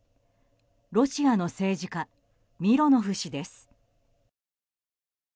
ロシアの政治家ミロノフ氏です。